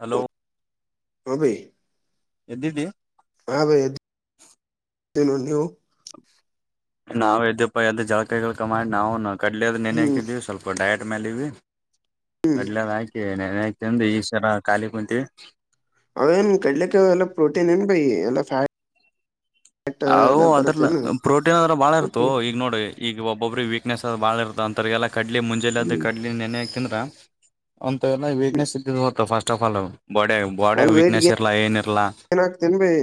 Hello ಅಬೇ ಎ್ದಿದ್ದಿ ಆ ಬನು ನೀವು ನಾವು ಇದದ್ಯಪ್ಪಾ ಎದ್ದ ಜಳಕಾಯಿಗಳ ಕ ಮಾಡಿ ನಾವು ಕಡ್ಲದ್ ನೆನೆೆ ಹ್ಮ್ ಹಾಕಿದೀವಿ ಸ್ವಲ್ಪ ಡಯಟ್ ಮೇಾಲವಿ ಹ್ಮ್ ಕಡ್ಲದ ಹಾಕಿ ನೆನ್ ಹಂದು ಈಸರ ಖಾಲಿ ಕುಂತೀವಿ ಅವೇನ್ ಕಡ್ಲಿಕ್ಕೆಲ್ಲ ಪ್ರೋಟೀನ್ ಏನ್ ಬೈ ಎಲ್ಲಫ್ಯಾಟ್ ಅವು ಅದ್ರ ಬರುತ್ತೇನು ಪ್ರೋಟೀನ್ ಅದ್ರ ಬಾಳ ಇರ್ತ ಹೊಟ್ಟಿ ಹಿಟ್. ಈಗ ನೋಡಿ ಈಗ ಒಬ್ಬೊಬ್ರ ವೀಕ್ನೆಸ್ ಅ ಬಾಳ ಇರ್ತ ಒಥರಿಗೆಲ್ಲ ಕಡ್ಲಿ ಮುಂಜೆ ಹ್ಮ್ ಕಡ್ಲಿ ನೆನೆ ಹಾಕಂದ್ರ ಒಂತಲ್ಲ ಹ್ಮ್ ವೀಕ್ನೆಸ್ ಸಿ ಹೊ ಫಸ್ಟ್ ಟಕ ಲ ಬಾಡ ಬಾಡ ಅಲ್ಲಿ ವೇಟ್ ವೀಕ್ನೆಸ್ ಗೇನ್ ಇರ್ಲ ಏನ್ ಇರ್ಲ ಏನ್ ಆಗ್ತೇನ್ ಬೈ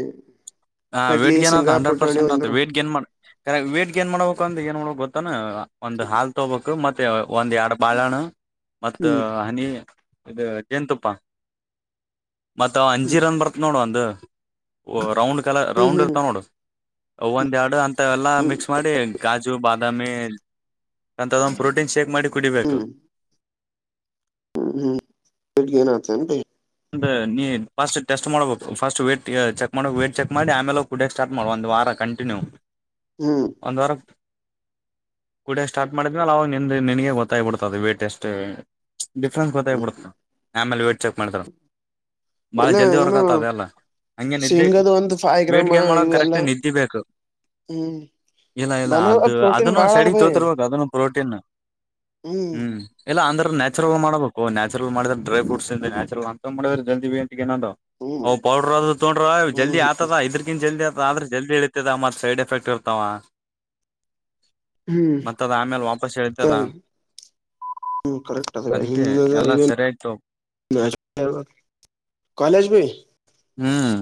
ಹ ಕಡ್ಲಿ ವೇಟ್ ಗೇನ್ ಶೇಂಗಾ ಹಂಡ್ರೆಡ್ ಪುಟಾಣಿ ಪರ್ಸೆಂಟ್ ಆತ ಅಂದ್ರು ವಟ್ ಗೇನ್ ಮಾಡ ವಟ್ ಗೇನ್ ಮಾಡಬೇಕು ಅ್ರ ಏ ಮಾಡ ಗೊತ್ತ ಒಂದ್ ಹ್ಮ್ ಹಾಲ್ ತೊಕ್ಬೆಕು ಮತ್ತೆ ಒಂದ್ ಎರ ಬಾಳಣ ಮತ್ ಹ್ಮ್ ಹನಿ ಇದು ಜೇನುತುಪ್ಪ ಮತ್ತ ಅಂಜಿ ರನ್ ಬರ್ತ್ ನೋಡ ಒಂದು ರೌಂಡ್ ಹ್ಮ್ ಹ್ಮ್ ರೌಂಡ್ ಇರ್ತ ಹ್ಮ್ ನೋಡು ಒಂದ್ ಎರಡು ಅಂತ ಎಲ್ಲಾ ಹ್ಮ್ ಮಿಕ್ಸ್ ಮಾಡಿ ಗಾಜು ಬ ಅಮಿ ಅಂತದೊಂದು ಪ್ರೋಟೀನ್ ಶೇಕ್ ಮಾಡಿ ಕುಡಿಬೇಕು ಹ್ಮ್ ಹ್ಮ್ ಎಗೆನತ [unintelligible] ಅಂದ ನೀ ಫಸ್ಟ್ ಟೆಸ್ಟ್ ಮಾಡ್ಬೇಕ ಫಸ್ಟ್ ವಟ್ ಚೆಕ್ ಮಾಡಬೇಕಕ್ ವೇಟ್ ಚೆಕ್ ಮಾಡಿ ಆಮೇಲೆ ಕುಡಿಯಕ್ ಸ್ಟಾರ್ ಮಾಡ್ ಒಂದ ವಾರ ಕಂಟಿನ್ಯೂ ಹ್ಮ್ ಒಂದು ವಾರ ಕೂಡ ಸ್ಟಾರ್ಟ್ ಮಾಡಿದ್ಮೇಲೆ ಅವ ನಿ ನಿನಗೆ ಗೊತ್ತಾಗಿಬಿಡ್ತದ ವೇಟ್ ಎಷ್ಟು ಡಿಫ್ರೆನ್ಸ್ ಹ್ಮ್ ಗೊತ್ತಾಗಬಿಡತ ಆಮೇಲೆ ವೇಟಟ್ ಚೆಕ್ ಮಾಡ್ತಾರ ಬಾಳ ಎಲ್ಲ ಜಲ್ದಿ ವರ್ಗ ಏನು ಆತ ಅದೆ ಎಲ್ಲ ಹಂಗೆ ನಿದ್ದೆ ಶೇಂಗದ ಒಂದು ಫೈವ್ ವೇಟ್ ಗ್ರಾಮ ಗೇನ್ ಮಾಡೋ ಇವು ಕರೆಕ್ಟ್ ಎಲ್ಲಾ ನಿದ್ದಿ ಬೆಕು ಹ್ಮ್ ಇಲ್ಲ ಇಲ್ಲ ಬನಾನ ಅದು ಪ್ರೋಟೀನ್ ಅದನ್ನು ಬಾಳ ಅದ ಸೆಡಿ ಬೈ ತೋತಿರ್ಬೇಕು ಅದನ್ನು ಪ್ರೋಟ ತಿ ಹ್ಮ್ ಎಲ್ಲ ಅ ನ್ಯಾರಲ್ ಮಾಡಬೇಕು ನ್ಯಾುರಲ್ ಮಾಡಿದ ಡ್ರೈ ಫ್ರೂಟ್ ಇ ನ್ಯಾಚುಲ್ ಅಂತ ಮಾಡಿದ್ರ ಜಲ್ದ. ಹ್ಮ್ ಒಂದು ಪೌಡರ್ ಅದು ತೊಡ್ರ ಹ್ಮ್ ಜಲ್ದಿ ಆತದ ಇದ್ರಕಿನ್ ಜಲ್ದಿ ಆತ. ಆದ್ರೆ ಜಲ್ದಿ ಇಳತದ ಮತ್ ಸೈಡ್ ಎಫೆಕ್ಟ್ ಇರ್ತಾವ ಹ್ಮ್ ಮತ್ತದ್ ಆಮೇಲೆ ವಾಪಸ್ ಹೇಳತದಾ ಹ್ಮ ಕರೆಕ್ಟ್ ಎಲ್ಲಾ ಸರಿಯಾಯ್ತು [unintelligible] ಹ ಕಾಲೇಜ ಪ ಹ್ಮ್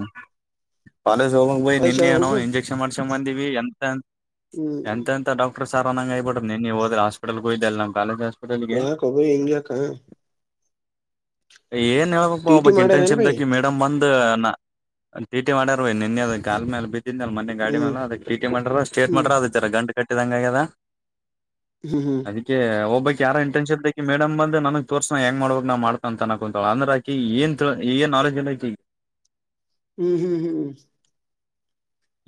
ಪಾಲೇಸ ಹೋಗಂಗ ಬಯಿ ಕಾಲೇಜ್ ನಿನ್ನೆ ಅದ ನೋ ಹೋಗ ಇಂಜೆಕ್ಷನ್ ಮಾಡ್ಸಕೊಂಡ್ ಬಂದೀವಿ ಎಂತ. ಹ್ಮ್ ಎಂತ ಎಂತ ಡಾಕ್ಟರ್ ಸಾರ್ ಅಂಗಗೆ ಆ್ಬ ಬಿಟ್ಟು ನಿ ನೀ ಹದ್ರೆ ಹಸ್ಪಟಲ್ಗಯ್ದ ಅ ನ ಕಾಲೇಜಸ್ ಯಾ ಕಬ ಹಿಂಗ್ಯಾಕ ಏನ್ ಹೇಳ್ಬೇಕಪ್ಪ ಟಿ ಟಿ ಒಬ್ಬಕ್ ಮಾಡ್ಯಾರೇನ್ ಇಂಟರ್ನ್ಶಿಪ್ ಭೈ ದಕ ಮೇಡಮ್ ಬಂದ ನಾ ಟಿ ಟಿ ಮಾಡ್ಯಾರ ನಿನ್ನೆದ ಕಾಲ ಮೇಲೆ ಬಿತ್ತ. ಇಂದ ಅಲ್ ಮೆ ಗಾಡಿ ಮೇ ಹ್ಮ್ ಅದ ಟಿ ಮಾಡ್ರ ಸ್ಟೇಟ್ ಹ್ಮ್ ಮಾಡ್ರ ಅದರ ಗಂಟ್ ಕಟ್ಟಿದಂಗಗೆ ಅದ. ಹ್ಮ್ ಹ್ಮ್ ಅದಕ್ಕೆ ಒಬ್ಬ ಯಾರ ಇಂಟನ್ ಮಡಮ್ ಬಂದ ನನಗ್ ತೋರ್ಸ ಹೆಂಗ್ ಮಾಡಬೇಕಕ್ ನ ಮಾಡ್ತ ಅಂತ ಅಕಂತ ಅಂದ್ರ ಏನ್ ಏನ್ ನಾಲೆಜ್ ಎಲ್ಲ ಐತಿ ಈಗ ಹ್ಮ್ ಹ್ಮ್ ಹ್ಮ್ ಹ್ಮ್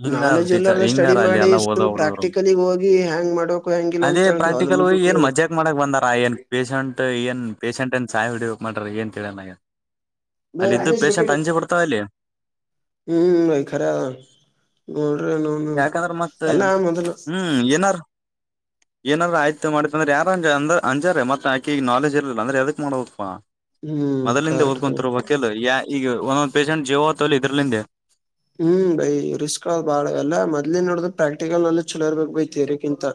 ಹಿಂಗಾರ ನಾಲೆಜ್ ಟೀಚರ್ ಎಲ್ಲಾರ್ದ ಸ್ಟಡಿ ಹಿಂಗಾರ ಅಲ್ಲಿ ಮಾಡಿ ಎಲ್ಲ ಓದ ಸುಮ್ ಹೊಡರು ಪ್ರಾಕ್ಟಿಕಲಿಗ್ ಹೋಗಿ ಹೆಂಗ್ ಮಾಡ್ಬೇಕು ಹೆಂಗಿಲ್ಲ ಅದೇ ಅಂತೇಳಿ ಅವ್ನ ಪ್ರಾಕ್ಟ ಬಗ್ಗೆ ಈ ಏನ್ ಕೇಳಿ ಮಜಾಕ್ ಮಾಡಕ್ ಬಂದಾರ ಏನ್ ಪೇೇಶಂಟ್ ಏನ್ ಪೇಶಂಟ್ಏನ್ ಸಾಯ್ ಹೊಡಿ ಹೋಗಕ್ ಮಾಡ್ರ ಏನ್ಂತ ಹೇಳ ನನಗೆ ಬೈ ಅಲ್ಲ ಇದು ರಾಜೇಶ್ ಬಗ್ಗೆ ಪೇಶ್ಯಂಟ್ ಅಂಚು ಕೊಡ್ತಾವಲ್ಲೇ ಹ್ಮ್ ಬೈ ಖರೆ ಅದ ನೋಡ್ರಿ ನೌನು ಯಾಕಂದ್ರೆ ಮತ್ತೆ ಎಲ್ಲಾ ಮೊದಲ ಹ್ಮ್ ಏನಾರ ಏನಾದ್ರ ಆಯ್ತ ಮಾಡಿ ಅಂದ್ರ ಯಾರಂಜ ಅಂದ ಅಂಜಾರ ಮತ್ತೆ ಆಕಿಗ ನಾಲೆಜ್ ಇರ್ಲ ಅಂದ್ರೆ ಅದಕ್ ಮಾಡ ಹೋಗಕ್ವಾ ಹ್ಮ್ ಮೊದ್ಲಿಂದ ಕರೆಕ್ಟ್ ಓದ್ಕೊಂತರಬೇಕಲ್ ಯ ಈಗ ಒಂದೊಂದ್ ಪೇಶೆಂಟ್ ಜೀವತಲ್ಲಿ ಇದ್ರಲಂದೆ ಹ್ಮ್ ಬೈ ರಿಸ್ಕ್ ಬಾಳ ಅಲ್ಲ ಮೊ್ಲಿನ್ ನೋಡ ಪ್ರಾಕ್ಟಿಕಲ್ ನಲ್ಲಿ ಚಲ ಇರ್ಬೇಕಕ್ ಬೈ ತೇರಿಕಿಂತ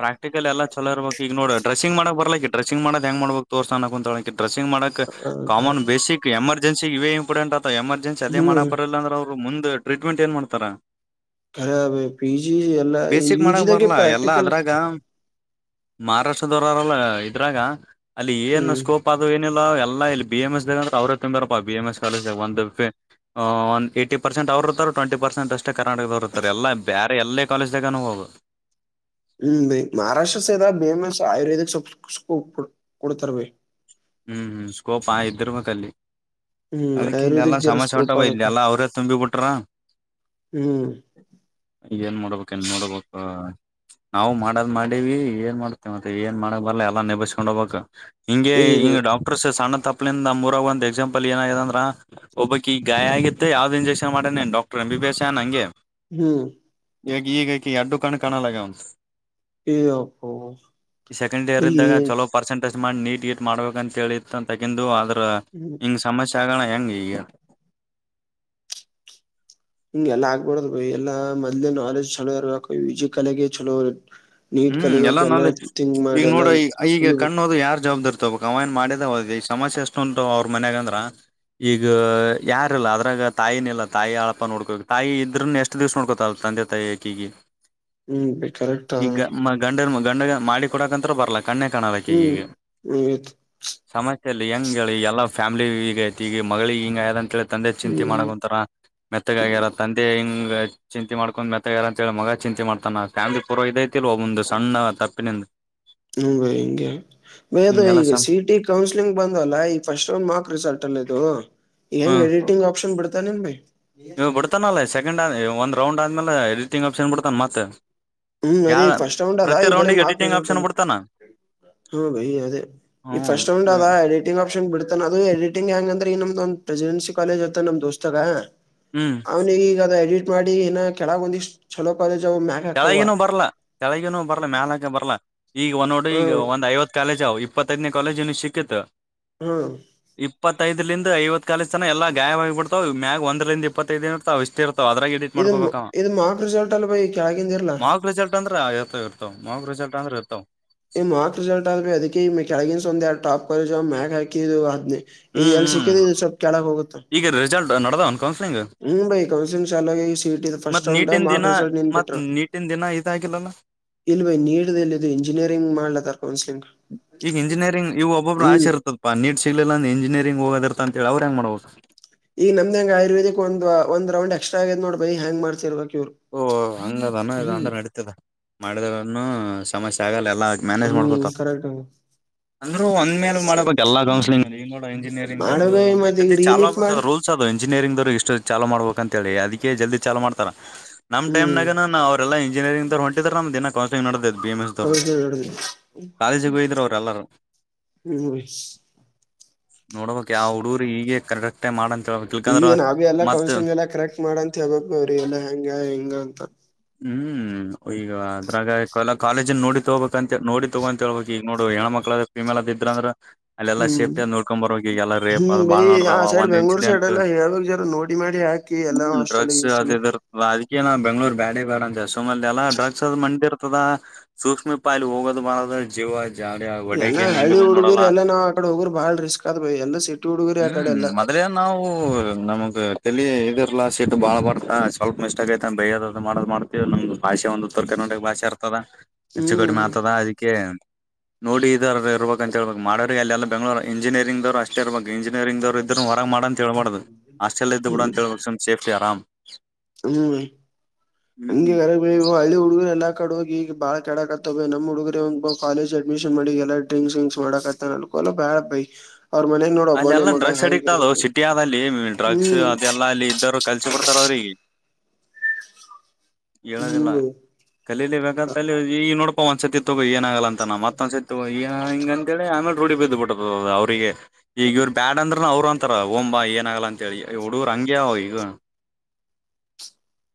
ಪ್ರಾಕ್ಟಿಕಲ್ ಎಲ್ಲ ಚಲೋ ಇರ್ಬೇಕಕ್ಗ ನೋಡ್ರಸಿಂಗ್ ಮಾಡಕ್ ಬರ್ಲಿಕ ಡ್ರಸಿಂಗ್ ಮಾಡಕ್ ಹೆಂಗ್ ಮಾಡಬೇಕ ತೋರ್ಸಾನಕ್ ಅಂತಕಿ ಡ್ರೆಸಿಂಗ್ ಮಾಡಕಕ್ ಕಾಮನ್ ಬೇಸಕ್ ಎಮರ್ಜೆನ್ ಇ ಇಂಪಾರ್ಟೆಂಟ್ ಆತವಾ ಎಮರ್ಜೆನ್ ಅ ಹ್ಮ್ ಮಾಡಕ್ ಬರಲ್ಲ ಅಂದ್ರೆ ಅವರು ಮುಂದ ಟ್ರೀಟ್ಮೆಂಟ್ ಏನ್ ಮಾಡ್ತಾರ ರ ಪಿ ಜಿ ಎಲ್ಲನ್ ಬೇಸಿಕ್ ಯು ಮಾಡಕ್ ಜಿದಾಗೆ ಬರ್ಲಾ ಎಲ್ಲಾ ಪ್ರಾಕ್ಟಿಕಲ್. ಅದ್ರಾಗ ಮಹಾರಾಷ್ಟ್ರದವರಲ್ಲ ಇದ್ರಾಗ ಅಲ್ಲಿ ಏನ್ ಹ್ಮ್ ಸ್ಕೋಪ್ ಆದದು. ಎಲ್ಲ ಇಲ್ಲಿ ಬಿ ಎಂ ಎಸ್ಗ ಅಂದ್ರ ಅವ್ರರು ತಂಬರಪ್ಪ ಬಿ ಎಂ ಎಸ್ ಕಾಲೇಜಾಗ ಒಂದ್. ಹ ಒ ಏಟಿ ಪರ್ಸೆಂಟ್ ಅವರರ್ರೆ ಟ್ವೆಂಟಿ ಪರ್ಸೆಟ್ ಅಷ್ಟ ಕರ್ನಾಟಕದವರುರ್ರೆ ಎಲ್ಲ ಬ ಎಲ್ಲೇ ಕಾಲೇಜ್ದಾಗ ನ ಹೋಗ ಹ್ಮ್ ಭ್ ಮಹಾರಾಷ್ಟ್ರ ಸದ ಬೇಮಸ್ ಆಯುರ್ವೇದಿಕ್ ಕೊಡ್ತಾರೆ ಭೈ ಹ್ಮ್ ಹ್ಮ್ ಸ್ಕೋಪ್ ಆ ಇದ್ರ ಮಕ್ಕಲ್ಲಿ ಹ್ಮ್ ಅದಕ್ಕೆ ಇಲ್ಲ ಎಲ್ಲಾ ಆಯುರ್ವೇದಿಕ್ ಜರ ಸಮಸ್ಯೆ ಸ್ಕೋಪ್ ಉಂಟಾವ ಅದ ಇಲ್ಲಿ ಕಣೆ ಎಲ್ಲಾ ಅವ್ರೇ ತುಂಬಿ ಬಿಟ್ರ ಹ್ಮ್ ಇದಏನ್ ಮಾಡೋಡ್ಬೇಕ ನ್ ನೋಡ್ಬೇಕ ನಾವು ಮಾಡದ್ ಮಾಡಿವ ಏನ್ ಮಾಡ್ತೇವೆ ಮತ್ತ ಏನ್ ಮಾಡಕ್ ಬರ್ಲ್ಲ ಎಲ್ಲಾ ನೆಬಿಸಕೊಂಡ್ ಹೋಗ್ಬೇಕಕ್. ಇಂಗ ಇಂಗ ಇರ್ಬೇಕು ಡಾಟರ್ಸ್ ಸಣ್ಣ ತಪ್ಲಿಂದ ಮೂರಾಗ ಒಂದ ಎಕ್ಸಾಂಪಲ್ ಏನಾಗಿದೆ ಅಂದ್ರೆ ಒಬ್ಬಕ ಈ ಗಾಯ ಆಗಿ ಯಾವ್ದ ಇಂಜೆಕ್ಷನ್ ಮಾಡೇ ಡಾಕ್ಟರ್ ಅಂಬ ಪಸ ಅನಂಗೆ ಹ್ಮ್ ಈಗ ಈಗಕಿ ಎಡ್ಡು ಕಣ್ ಕಾಣಲ್ಲಗ ಉಂತ ಏ ಅಪ್ಪೋ ಸೆಕೆಂಡ್ ಇಯರ್ ಬೈ ಇದ್ದಾಗ ಏನ್ ಚಲೋ ಪರ್ಸೆಂಟ್ ಟ್ ಮಾಡಿ ನೀಟ್ ಗಟ್ ಮಾಡ್ಬೇಕ ಅಂತ ಹೇಳಿ ತಗಂದು ಆದ್ರ ಹ್ಮ್ ಹಿಂಗ್ ಸಮಸ್ಯೆ ಆ ಏಂಗಗ ಹಿಂಗೆ ಎಾ ಆಗ್ಬಾರಡದುಎಲ್ಲಾ ಮೊದ್ನಾಲೆಜ್ ಚಲೋ ಇರ್ಬೇಕ ವಿಜಿಕಲಗೆ ಚಲೋ ನೀಟ್ ಹ್ಮ್ ಎಲ್ಲ ಕಲಿಬೇಕು ಎಲ್ಲಾ ನಲಿ ಥಿಂಕ್ ಈಗ ಮಾಡಿ ಎಲ್ಲಾ ನೋಡ ಈ ಈಗ ಕಲಿಬೇಕು ಕಣ್ಣುದ ಯಾರ್ ಜವಾಬ್ದಾರಿ ಕಮಾಯನ್ ಮಾಡಿದ ಹೋದ್ ಈಗ ಸಮಸ್ಯೆ ಎಷ್ಟು ಉಂಟು ಅವ್ರ ಮನ್ಯಾಗ ಅಂದ್ರ ಈಗ ಯಾರಿಲ್ಲ ಅದ್ರಾಗ ತಾಯಿನಿಲ್ಲಾ ತಾಯಿ ಅಳಪ ನೋಡ್ಕೋ ತಾಯಿ ಇದ್ರ ಎಷ್ಟ್ ದಿವ್ಸ ನೋಡ್ಕೋತಲ್ ತಂದೆ ತಾಯಿಕಿಗೆ ಹ್ಮ್ ಬೇಕಾರೆ ಈಗ ಮ ಗಂಡ ಗಂಡ ಮಾಡಿ ಕೊಡಕಂತತ್ರ ಬರ್ಲ ಕಣ್ಣಯ ಬೈ ಹ್ಮ್ ಕಾಣಳಕ್ಕೆಗ ಹ್ಮ್ ಸಮ ಎಲ್ಲಿ ಹೆಂಗ ಹೇಳಿ ಎಲ್ಲ ಫ್ಯಾಮಿಲಿ ಈಗ ಐತಿ ಈಗ ಮಗಳಿಗೆ ಹಿಂಗ ಆಯದ ಅಂತ ಹೇಳ ತಂದೆ ಹ್ಮ್ ಚಿಂತೆಮಾಡಕೊಂತರ ಮೆತ್ತಗ ಆಗ್ಯಾರ ತಂದೆ ಹಿಂಗ ಚಿಂತೆ ಮಾಡಕೊಂಡ್ ಮೆತ ಯಾರ ಅಂತ ಹೇಳಿ ಮಗ ಚಿಂತೆ ಮಾಡ್ತಾನ ಫ್ಯಾಮಿಲಿ ಪೂರ್ವ ಇದೈ ಒಂದು ಸಣ್ಣ ತಪ್ಪಿನ ಹಂಗ ಹಿಂಗೆ ಬಯ ಅದು ಹಿಂಗೆಲ್ಲ ಈಗ ಸಂ ಸಿಟಿ ಕೌನ್ಸ್ಲಿಂಗ್ ಬಂದಲ್ಲ ಈ ಫಸ್ಟ್ ರ್ ಮಾರ್ಕ್ ರಿಸಲ್ಟ್ ಹೆಂಗ್ ಎಡಿಟಿಂಗ್ ಆಪ್ಷನ್ ಬಿಡ್ತಾನನ್ ಭೈ ನೀವು ಬಿಡ್ತಾನಲ್ಲ ಸೆಕಂಡ್ ಒಂದ ರೌಂಡ್ ಆದ್ಮೇಲೆ ಎಡಿಟಿಂಗ್ ಆಪ್ಷನ್ ಬಿಡ್ತಾನ ಮತ್ ಹ್ಮ್ ಅದೇ ಯಾವ ಫಸ್ಟ್ ರೌಂಡದಾ ಪ್ರತಿ ಈ ಬರ ರೌಂಡಿಗೆ ಮಾರ್ಕ್ ಎಡಿಟಿಂಗ್ ರಿಸಲ್ಟ್ ಆಪ್ಷನ್ ಒಂದು ಬಿಡ್ತಾನ ಹಾ ಬೈ ಅದೇ ಈ ಹ್ಮ್ ಫಸ್ಟ್ ರೌಂಡ್ ಅದ ಎಡಿಟಿಂಗ್ ಆಪ್ಷನ್ ಬಿಡ್ತಾನ ಅದು ಎಡಿಟಿಂಗ್ ಹೆಂಗಂದ್ರೆ ನಮ ನ್ ಪ್ರೆಸಿಡೆನ್ಸಿ ಕಾಲೇಜ್ ಅತ್ತ ನಮ್ ದೋಸ್ತಗ ಹ್ಮ್ ಅವ್ನಗ ಈಗ ಅ ಎಡಿಟ್ ಮಾಡಿ ಏನ ಕೆಳ ಬಂದಿ ಚಛಲೋ ಕಾಲೇಜ ಚಳಗನೂ ಬರ್ಲಾ ಚಳಗನೂ ಬರ್ಲ ಮ್ಯಾಲಕ ಬರ್ಲಾ ಈಗ ಒಂದ ನೋಡಿ ಈಗ ಹ್ಮ್ ಒಂದ ಐವ ಕಾಲೇಜ್ ಅವವು ಇಪ್ಪತ್ತದನೇ ಕಾಲೇಜ್ ಇನ ಸಿತ್ ಹ್ಮ ಐದರಿಂದ ಐವತ್ ಕಾಲ ಜನ ಎಲ್ಲ ಗಾಯವಾಗಿ ಬಿಡ್ತಾವ್ ಮ್ಯಾಗ ಒಂದ್ರಂದ ಇಪ್ಪತ್ತದು ಇರ್ ಇಷ್ಟ ಇ ಇದು ಇದು ಮಾಕ್ ರಿಸಲ್ಟ್ ಅಲ್ ಬಯಿ ಕೆಳಗಿಂದಿರ್ಲಾ ಮಾರ್ಕ್ ರಿಸಲ್ಟ್ ಅಂದ್ರ ಇರ್ತವ ಇರ್ತವ ಮ ರಿಸಲ್ಟ್ ಅಂದ್ರೆ ಇರ್ತಾವ ಈ ಮಾರ್ಕ್ ರರಿಸಲ್ಆದಲ್ಪ ಅಧಿಕ ಈ ಮೆಕ್ಯಾಲಗನ್ ಸಂದೆ ಟಪ್ ಜಾ ಮ್ಯಾಕ್ ಹಕಿ ಹಾದನಿ ಇದು ಹ್ಮ್ ಎಲ್ಲಿ ಹ್ಮ್ ಸಿಕ್ಕಿದ್ರೆ ಇದು ಸ್ವಲ್ಪ ಕೆೇಳಗ ಹೋಗುತ್ತೆ ಈಗ ರಿಸಲ್ಟ್ ನಡ್ದ ಅನ್ಕೊಂಡ ಹ್ಮ್ ಭೈ ಕೌನ್ಸಿಲಿಂಗ್ ಶಾಲಾಗ ಈ ಸೀಟ್ ಇದು ಮತ್ ಫಸ್ಟ್ ರೌಂಡಾ ನೀಟಿನ ಮಾಕ್ ದಿನ ರರಿಸಲ್ಟ್ ನೀನ್ ಮತ್ ಬಿಟ್ರ ನೀಟಿನ ದಿನ ಇದಾಗಿಲ್ಲಲ್ಲ ಇಲ್ವೇ ನೀಡಲ್ಲಿದ್ದು ಇಂಜಿನಿಯರಿಂಗ್ ಮಾಡ್ಲದ ಕೌನ್ಸಿಲಿಂಗ್ ಈಗ ಇಂಜಿನಿಯರಿಂಗ್ ಈಗ ಒಬ್ಬಬ್ಬ್ರ ಹ್ಮ್ ಆಇತತ್ತಪ್ಪಾ ನೀಟ್ ಸಿಗ್ಲಿಲ್ಲಂದ ಇಂಜಿನಿಯರಿಂಗ್ ಹೋಗೋದರ್ತ ಅಂತ ಹೇಳ ಅವ್ರ ಹೆಂಗ್ ಮಾಡ್ಬೇಕು ಈಗ ನಮ್ದ ಹೆಂಗ ಆಯುರ್ವದಿಕ್ ಒಂದ ಒಂದ್ ರೌ ಎಕ್ಸ್ಟ್ರ ಆಗ ನೋಡ್ ಬೈ ಹೆಯಾ ಮಾಡ್ತಿರ್ಬೇಕ ಓ ಹಂಗದಾನ ಇ ಅಂದ್ರೆ ನಡತದ ಮಾಡಿದನು ಸಮಸ್ಯೆ ಆಗಲ್ಲ ಲ್ಲ ಮ್ಯಾನೇಜ್ ಹ್ಮ್ ಮಾಡ್ಕೊತ ಕರೆಕ್ಟ್ ಅಂದ್ರು ಒಂದ್ಲೆ ಮಾಡ್ಬೇಕ ಎಲ್ಲ ಕೌನ್ಸಲಿಂಗ ಈ ನೋ ಮಾಡು ಇಂಜಿನಿಯರಿಂಗ್ರು ಬೈ ಮತ್ ಈಗ ಇತಿ ರೀನೀಟ್ ಚ ಮಾಡಿ ರೂಲ್ಸ್ ದು ಇಂಜಿನಿಯರಿಂಗ್ ದವರು ಇಷ್ಟು ಚಾ ಮಾಡ್ಬೇಕು ಅಂತ ಹೇಳಿ ಅದಕ್ಕೆ ಜಲ್ದಿ ಚಾಲು ಮಾಡ್ತಾರ ಹ್ಮ್ ನಮಮ್ನ ನ ಅವ್ರೆಲ್ಲ ಇಂಜಿನಿಯಂಗ್ರ್ ಹೊಟಿದಾರ ನಮ್ನ ನಡದೇ ಬಿ ಎಂ ಎಸ್ವರು ಕೌನ್ಸಿಲಿಂಗ್ ಹಿಡ್ದು ಕಾಲೇಜಿಗೆ ಹಯ್ದರು ಅವ್ರ ಎಲ್ಲಾರ ಹ್ಮ ನೋಡ್ಬ ಯಾವ ಹುಡುೂರು ಹೀಗ ಕರಡಕ್ಟೆ ಮಾಡಂತ ಈಗ ನಾ ಬಿ ಎಲ್ಲ ಕೌನ್ಸಲಿಂಗ ಎಲ್ಲ ಕರೆಕ್ಟ್ ಮಾಡಂತ ಹೇಬಬೇಕಬ ಅವ್ರಿ ಎಲ್ಲ ಹೆಂಗ ಹೆಂಗ ಅಂತ ಹ್ಮ್ ಈಗ ಅದ್ರಾಗ ಎಲ್ಲ ಕಾಲೇಜ ನೋಡಿ ತಗೋಬೇಕಕ್ ಅಂತ ನೋ ತಗೋಂತ ಹೇಳ್ಬೇಕಕ್ ಈಗ ನೋಡು ಹೆಣ ಮಕ್ಳದ ಫಿಮೇಲ್ದ ಇದ್ರ ಅ್ರ ಅಲ್ಲೆಲ್ಲಾ ಹ್ಮ್ ಸೇಫ್ಟಿ ನೋಡ್ಕೊಂಡ್ ಬರ್ಾಗ ಈಗ ಎಲ್ಲ ರೇಪ್ ಹ್ಮ್ ಅದು ಬೈ ಬಾಳ್ ಆ ನೋಡ್ದಾವ ಸೈಡ್ ಒಂದ್ ಬೆಂಗ್ಳೂರ್ ಸೈಡ್ ಇನ್ಸಿಡೆಂಟ್ ಎಲ್ಲ ಹೇಳ್ಬೇಕಕ್ ಜರ ನೋಡಿ ಮಾಡಿ ಹಾಕಿ ಎಲ್ಲಾ ಹ್ಮ್ ಹಾಸ್ಟೆಲ್ ಡ್ರಗ್ಸ್ ಗಿಸ್ಟೆಲ್ ಅದುರ್ತ ಅದ ನ ಬೆಂಗ್ಗಳೂರ್ ಬ್ಯಾಡ ಬೇ ಅಂತ ಸುಮ ಎಲ್ಲ ಡ್ರಗ್ಸ್ ಅದ್ ಮಂಡಿರ್ತದ ಸೂಕ್ಷ್ಮ ಪಾಯಿಲಿ ಹೋಗೋದು್ ಬಾರದ ಜೀವ ಆಯ್ತು ಎಲ್ಲ ಹಳ್ಳಿ ಹುಡುಗಿರಿ ಎಲ್ಲ ನಾವ್ ಆಕಡೆ ಹೋಗ್ರ ಬಾಳ ರಿಸ್ಕ್ ಆದ್ಬ ಎಲ್ಲ ಸಿಟಿ ಹುಡುಗಿರಿ ಆಕಡೆ ಎಲ್ಲಾ ಅೇ ನಾವು ನಮಗ್ ತಲಿ ಇದಿರ್ಲಾ ಸೀಟ್ ಬಾಳ್ ಬರ್ತ ಸ್ವಲ್ಪ ಮಿಸ್ಟ ಆ ಐತಿ ಬಯೋದ್ ಮಾಡ್ ಮಾಡ್ತೀವ ನಮ್ದ ಭಾಷೆ ಒಂದು ಉತ್ತರ ಕರ್ನಾಟಕ ಭಾೆ ಇರ್ತದ ಹೆಚ್ಚು ಕಡೆ ಹ್ಮ್ ಮಾತದ ಅದಕ್ಕೆ ನೋಡಿ ಇದ ಇರ್ಬೇಕು ಅಂತ ಹೇಬೇಕ ಮಾಡವ್ರ ಅಲ್ಲ ಬೆಂಗ್ಳೂ ಇಂಜಿನಿಯರಿಂಗ್ವ್ ಅಷ್ಟೇ ಇರ್ಬೇಕು ಇಂಜಿನಿಯರಿಂಗ್ ದವ್ ಇದ್ರ ಮಾಡ ಅಂತೇಳ್ಬಾರ್ದದು ಆಸ್ಟೆಲ್ ಇದ್ದು ಬಿಡ ಹ್ಮ್ ಅಂತೇಳ್ಬು ಸೇಫ್ಟಿ ಆರಾಮ್ ಹ್ಮ್ ಹಗೆರ ಹಳ್ಳಿ ಹುಡುಗರು ಎಲ್ಲ ಕಡೆ ಹೋಗ ಈಗ ಬಾಳ ಕೆಡಕತ್ತವ ನಮ್ಮ ಹುಗ್ರ ಒ ಕಾಲೇ್ ಅಡ್ಮಿಷನ್ ಮಾಡಿ ಎಲ್ಲ ಡ್ರಿಕ್ಸ್ ವಿಂಗಕ್ಸ್ ಮಾಡಕತ್ತ ನಲ್ಕು ಒಲ ಬ್ಯಾಳ ಬೈ ಅವ್ರ ಮನೆಗ್ ನೋಡ ಒಬ್ಬನೇ ಅಲ್ಲೆಲ್ಲ ಮಗ ಡ್ರಗ್ಸ್ ಹೆಂಗ ಅಡಿಕ್ಟ್ ಅದು ಇರ್ಬೇಕ ಸಿಟಿ ಆದ ಅಲ್ಲಿ ಡ್ರಗ್ಸ್ ಹ್ಮ್ ಅದೆಲ್ಲಾ ಅಲ್ಲಿ ಇದ್ದರು ಕಲ್ಸಿ ಬಿಡ್ತಾರ ಅವ್ರಿಗೆ ಹ್ಮ್ ಹೇಳದಿಲ್ಲ ಬೈ ಕಲೀಲಿ ಬೇಕಂತಲ್ಲಿ ಈಗ ನೋಡಪಾ ಒಂದ್ಸತಿ ತಗೋ ಏನಾಗಲ್ಲ ಅಂತ ಮತ್ತೊಂದ್ಸತ ಹಿಂಗ ಅಂತ ಹೇಳಿ ಆಮೇಲೆ ರೂಢಿ ಬಿದ್ದ ಬಿಟ್ಟ ಅವ್ರಿಗೆ ಈಗ ಇವ್ರ ಬ್ಯಾಡ್ ಅಂದ್ರ ಅವರು ಅಂತಾರ ಓಂಬಾ ಏನ ಆಗಲ್ಲ ಅಂತ ಹೇಳಿ ಹುಡುಗರು ಹಂಗ್ಯ ಈಗ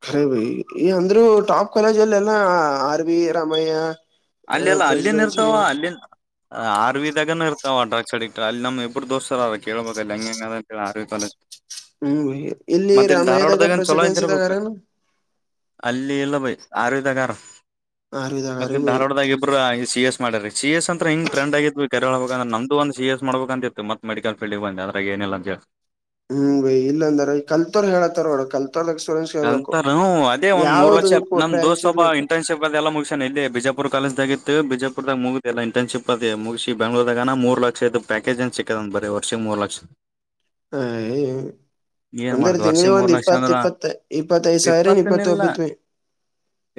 ಅರಿೇ ಭಯಿ ಈ ಅಂದ್ರು ಟಾಪ್ ಕಾಲೇಜಲ್ಲ ಎಲ್ಲ ಆರ್ವಿ ರಾಮಯ್ಯ ಅಲ್ಲಿೆಲ್ಲ ಅಲ್ಲಿನ್ ಇರ್ತಾವ ಪ್ರೆಸಿಡೆನ್ಸಿ ಅಲ್ಲಿನ್ ಆರ್ವಿದಾಗನ ಇರ್ತವ ಡ್ರಗ್ಸ್ ಅಡಿಕ್ ಅಲ್ಲಿ ನಮ್ಮ್ಬ್ರು ದೋಸ್ರಾರರ ಕೇಳ್ಬೇಕ ಹಂಗ ಆರ್ವಿ ಕಾಲಜ್ ಹ್ಮ್ ಬೈ ಇಲ್ಲಿ ಮತ್ತೆ ಇಲ್ ರಾಮಯ್ಯದಾಗ ಧಾರ್ವಾಡ್ದಾಗನ್ ಚಲೋ ಪ್ರೆಸಿಡೆನ್ಸಿದಾಗ ಇದಿರ್ಬೇಕ ಅರೇನು ಅಲ್ಲಿ ಲ್ಲಿ ಇಲ್ಲ ಬ ಆರು ಇದದಾಗರ ಆರುದರ ಹರಡದ ಇ ಸಿ ಎಸ್ ಮಾಡರಿ ಸಿ ಎಸ್ ಅಂತ ಹಿಂಗ ಟ್ರಂಡ್ ಆಗ್ವಿ ಕರೆರ ಹಬೇಕಂದ್ರ ನಂದು ಒಂದು ಸಿ ಎಸ್ ಮಾಡಬೇಕ ಅಂತಿತ್ತುತ್ತ ಮೆಿಕಲ್ ಫಲ್ಡ್ಗೆ ಬಂದ ಹೊರಗೆ ಏನೆಲ್ಲ ಅಜ ಹ್ಮ್ ಬಯ ಇಲ್ಲ ಅಂದ ಕಲ್ತೋರ್ ಹೇಳತ್ತಾರೋಡ ಕಲ್ತ ಕಲ್ತರ್ ಅದೇ ಒಂದ ಮೂರ್ ಲಕ್ಷ ಯಾವ್ದದಕ್ಕೂ ನಮ ಬ್ರ್ಯಾಂಚ್ ದೋಸ್ತ್ವಪ ಇರ್ಲಿಕ್ಕೆ ಇಂಟರ್ನ್ಶಿಪ್ ಅ ಎಲ್ಲ ಮುಗಸಣ ಇೇ ಬಿಜಾಪುರ್ ಕಾಲೇಜ್ದಾಗಿತ್ತು ಬಿಜಾಪುದಾಗ ಮುಗು ಎಲ್ಲ ಇಂಟರ್ನ್ಶಿಪ್ ಅ ಮುಗಿಸಿಿ ಬೆಂಗ್ಳೂದಗ ಮೂರು ಲಕ್ಷದದು ಪ್ಯಾಕೇಜ್ ಅ ಸಿಕ್ಕತ ಬ ವರ್ಷ ಮೂರು ಲಕ್ಷ ಹ ಏನ್ ಒಂದ್ರ ಮಾಡ್ದ ವರ್ಷ ತಿಂಗಳಿ ಮೂರ್ ಒಂದ್ ಲಕ್ಷ ಇಪ್ಪತ್ ಅಂದ್ರ ಇಪ್ಪತ್ತು ಇಪ್ಪತ್ತೈದು ಸಾವಿರ ಇಪ್ಪತ್ತ ಇಪ್ಪತ್ತನಿಲ್ಲ ಒಬತ್ತುವಿ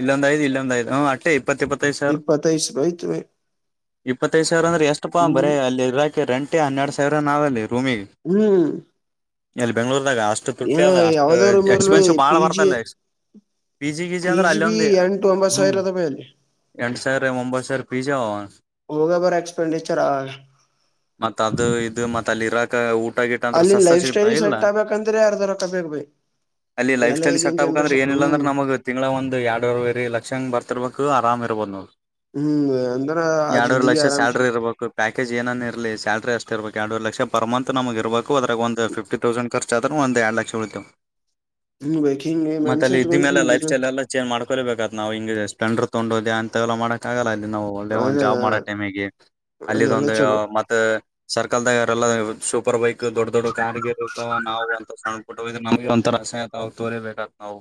ಇಲ್ಲೊಂದ್ ಐದ್ ಇಲ್ಲೊಂದ್ ಐದ್ ಹ ಅಟ್ಟೆ ಇಪ್ಪತ್ ಇಪ್ಪತ್ತೈದು ಈ ಸಾವಿರ ಪತ ಹ ಸ ಭ ತು [inaudible] ಇಪ್ಪತ್ತೈದು ಸಾವಿರ ಅಂದ್ರೆ ಎಷ್ಟು ಪಾ ಹ್ಮ್ ಬರೀ ಅಲ್ಲಿ ಇರಾಕೆ ರೆಂಟೇ ಹನ್ನೆರಡು ಸಾವಿರ ನಾವಲ್ಲಿ ರೂಮಿಗೆ ಹ್ಮ ಇಲ್ಲಿ ಬೆಂಗ್ಳೂರ್ದಾಗ ಅಷ್ಟು ತುಟ್ಟಿ ಅದ ಅಷ್ಟು ಯಾವ್ದಾರ ರೂಮ್ ಇರ್ಲಿ ಎಕ್ಸ್ಪೆನ್ಸಿವ್ ಬಾಳ ಪಿ ಜಿ ಬರ್ತಲ್ಲ ಪಜಿ ಕಜಿ ಪಿ ಅಂತ ಜಿ ಬಿ ರಲ್ಲೇ ಎಂಟು ಒಂಬತ್ ಹ್ಮ್ ಸಾವಿರ ಅದ ಬೈ ಅಲ್ಲಿ ಎಂಡ ಸರ್ ಒಂಬೈ ಸರ್ ಪಿಜ್ಜಾ ಹೋಗ ಬರ ಎಕ್ಸ್ಪೆಂಡಚರ್ ಆ ಮತ್ತ ಅಲ್ಲಿ ಇರ ಊ ಅಲ್ಲಿನ್ ಲೈಫ್ ಸ್ಟೈಲ್ ಸೆಟ್ ಆಗ್ಬೇಕಂದ್ರೆ ಅರ್ಧ ರ ಕ ಬಬೇಕ ಅಲ್ಲಿ ಲೈಫ ಸ್ಟೈಲ್ ಸಟ್ ಆಗ್ಬೇಕ ಅಂದ್ರೆ ಏನಿಲ್ಲ ಅ್ರ ನಮಗ ತಿಂಗಳಳ ಒಂದು ಎರಡರ ವರೆ ಲಕ್ಷಂಗ ಬರ್ತಿರ್ಬೇಕು ತಿರ ಬಂದದು ಹ್ಮ್ ಅಂತಾನ ಆ ಜಿಂದಗಿ ಆರಾಮಚ ಸ್ಯಾಲರಿ ಇರಬೇಕು ಪ್ಯಾಕೇಜ್ ಏನ ಇಲಿ ಸಲ್ರಿ ಅಷ್ಟ ಇರ್ಬೇಕು ಎರಡುರ್ ಲ ಪರ್ಂತ್ ನಮ್ ಇಬೇಕು ಅದ್ರಾಗ ಒಂದು ಫ್ಟಿ ತೌಸಂಡ್ ಖರ್ಚ ಆದ್ರರು ಒಂದ್ ಎರಡ್ ಲಕ್ಷ ಉಳೇ ಹ್ಮ್ ಬೇಕ್ ಹಿಂಗ್ ಮ ಮನ್ಸ್ ಅಲ್ಲಿ ಇದ ಇಟ್ಕೊಂಡ್ ಮೇ ಹಿಂಗ್ ಲೈಫ್ ಬಿಸ್ನೆಸ್ ಸ್ಟೈಲ್ಲ್ಲ ಚೇಂಜ್ ಮಾಡ ೊಬೇಕಕ್ತ್ ನಾವು ಹಿಗೆ ಸ ಸ್ಲೆಂಡರ್ ತೊಂಡು ಅಂತಲ್ಲ ಮಾಡಕಕ್ಕಗಲ್ಲ ನಾವು ಒಳ್ಳೆ ಒಂದ್ ಆಗಲ್ಲ ಜಾಬ್ ಮಾಡೋ ಟೈಮ್ಗ ಅಲ್ಲೆಲ್ಲಾ ಅಲ್ಲಿಿದೊಂದು ಚಲೋ ಮತ್ತ ಸರ್ ಲ್ದಲ್ಲ ಸೂಪರ್ ಬೈಕ್ ದೊಡ್ಡ ದೊಡ್ಡ ಕ್ಯಾರ್ ಇತ್ತ ನಾವು ಒಣ್ಣ ತರಾಸೆಯತಾವು ತೋರೆೇ ಬೇಟತ್ ನಾವು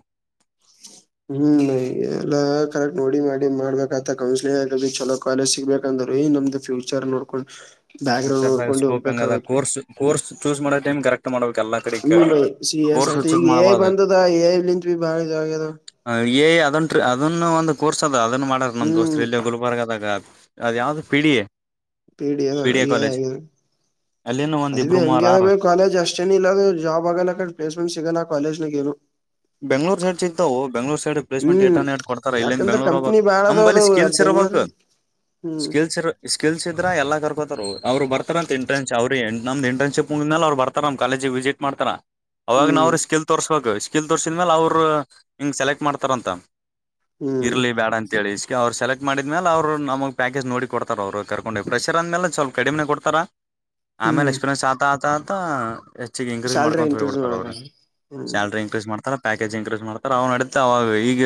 ಹ್ಮ್ ನಗೆ ಎಲ್ಲಾ ಕರೆಕ್ಟ್ ನೋಡಿ ಮಾಡಿ ಮಾಡ್ಬೇಕತ ಕೌನ್ಸಿಲಿಂಗ್ ಆಗ ಚಲೋ ಕಾಲೇಜ್ ಸಿಗ್ಬೇಕಂತ ಏ ನಮ್ದ್ ಫ್ಯೂಚರ್ ನೋಡ್ಕೊಂಡು ಬ್ಯಾಕ್ ಗ್ರೌಂಡ್ ಫ್ಯೂಚರ್ದಾಗ ಸ್ಕೋಪ್ ಹೆಂಗ ಅ ಹೋಗ್ಬೇಕಾಗತ್ತೆ ಕೋರ್ಸ್ ಕೋರ್ಸ್ ಚೂಸ್ ಮಾಡೋ ಟೈಮ್ ಕರೆಕ್ಟ್ ಮಾಡ್ಬೇಕ ಎಲ್ಲಾ ಕಡೆ ಹ್ಮ್ ಬೈ ಸಿ ಎಸ್ ಕೇೆೋರ್ ಆಯ್ತು ಈಗ ಎ ಐ ಮಾಡಬಾರ್ದ ಬಂದದ ಎ ಐ ಲಿಂತ್ ಬಿ ಬಾಳ ಇದಾಗ್ಯದ ಏಯ್ದನ್ ಅದನ್ನ ಒಂದು ಕೋರ್ಸ್ ಅದ ಅದನ್ನ ಮಾಡಾರ ನಮ್ಮ ಹ್ಮ್ ದೋಸ್ತರು ಎಲ್ಲಿ ಗುಲ್ಬರ್ಗದಾಗ ಅದ ಯಾವ್ದ ಪಿಡಿಯ ಪೀಡಿಯ ಇಗನು ಅಲ್ಲಿ ನ ಅದ ಬಿ ಹಂಗಗೆ ಅದ ಭ ಕಾಲೇಜ್ ಅಷ್ಟೇಏನ್ ಇಲ್ಲ ಅದು ಜಾಬ್ ಆಗಲ್ಲ ಕ ಪ್ಲೇಸ್ಮೆಂಟ್ಗಲ್ಲ ಕಾಲೇಜ್ನಾಗ ಏನು ಬೆಂಗ್ಳೂರ್ ಸೈಡ್ ಇದ್ದವು ಬೆಂಗಳೂರು ರ್ ಸೈಡ್ ಪ್ಲೇಸ್ೆಂಟ್ ಹ್ಮ್ ಏಟಡ್ತಾರೆ ಇಲ್ಲಿಂದ ಬೆಂಗಳೂರ್ ಹಾಗ ನ್ಲ್ಲಿ ಸ್ಕಲ್ ಇರ ಹಡ ಸ್ಕಲ್ ಸರ್ ಕೆಲ್ಸಿದ್ರ ಎಲ್ಲ ಕರ್ಕೋತಾರ ಅವ್ರು ಬರ್ತಾರಂತ ಇಂಟ್ರನ್ ಅವ್ರಮ್ದ ಇಂಟ್ರನ್ಶಿಪ್ ಮು ಮೇಲೆ ಅವ್ ಬರ್ತಾರಮ್ಮ ಕಾಲೇಜ ವಿಸಿಟ್ ಮಾಡ್ತಾರಾ ಅವಾಗ ನ ಹ್ಮ್ ಅವ್ರ ಸ್ಕಿಲ್ ತೋರ್ಸ್ಬೇಕು ಸ್ಕಿಲ್ ತೋರ್ಸಿದ್ಮೇಾಲ ಅವ್ರರು ಹಿಂಗ್ ಸೆಲೆಕ್ಟ್ ಮಾಡ್ತಾರಂತ ಹ್ಮ್ ಇರ್ಲಿ ಬೇಡ ಅಂತ ಹೇಳಿ ಅವ್ರು ಸೆಲೆಕ್ಟ್ ಮಾಡಿದ ಮೇಲೆ ಅವರು ನಮಗೆ ಪ್ಯಾಕೇ್ ನೋಡಿ ಕೊಡ್ತಾರೆ ಅವರು ಕರ್ಕೊಂಡು ಡ ಫ್ರೆಷರ್ ಅ ಆದಮೇಲೆ ಸ್ಲ್ಪ ಕಡಿಮೆ ಕೊಡ್ತಾರೆ ಆಮೇಲೆ ಹ್ಮ್ ಎಕ್ಸ್ಪೀರಿಯನ್ಸ್ ಆತ ಆತತ ಹೆಚ್ಚಿಗೆ ಇನ್ಕ್ರೀಸ್ ಸ್ಯಾಲ್ರಿ ಮಾಡ್ಕೊಂತ ಇನ್ಕ್ರೀಸ್ ಹಳ್ಬಿಡ್ತ ಮಾಡದ ಅವ್ರ ಹ್ಮ್ ಸಲ್ರಿ ತರ ಪ್ಯಾಕೇಜ್ ಇನ್ಕ್ರೀಸ್ ಮಾಡ್ತಾರೆ ಅವ್ ನಡತೆ ಅವಾಗ ಈಗ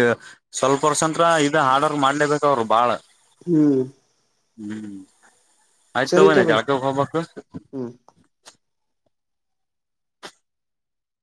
ಸ್ವಲ್ಪ ವರ್ಷ ಅಂತ್ರ ಇದದು ಹಾರ್ಡ್ವರ್ ಮಾಡ್ಲೇಬೇಕ ಅವ್ರು ಬಾಳ ಹ್ಮ್ ಹ್ಮ್ ಸರಿ ಆಯ್ತ್ತವ ತೋಬಿ ಜಾಟೋ ಹಬ ಕಸ ಹ್ಮ್